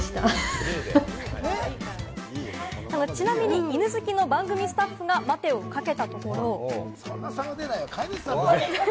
ちなみに犬好きな番組スタッフが、待てをかけたところ。